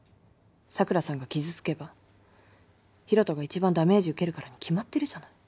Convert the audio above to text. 桜さんが傷つけば広斗が一番ダメージ受けるからに決まってるじゃない。